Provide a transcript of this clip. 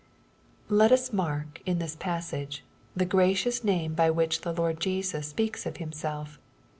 Let us mark in this passage, the gracious name by which the Lord Jesus speaks of Himself.